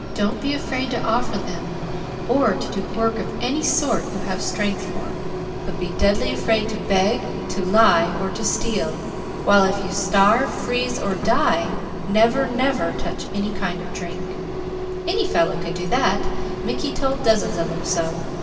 Don't be afraid to offer them, or to do work of any sort you have strength for; but be deathly afraid to beg, to lie, or to steal, while if you starve, freeze, or die, never, never touch any kind of drink_. Any fellow could do that; Mickey told dozens of them so.